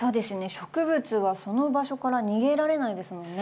植物はその場所から逃げられないですもんね。